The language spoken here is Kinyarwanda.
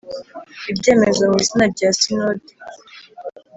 ibyemezo mu izina rya Sinode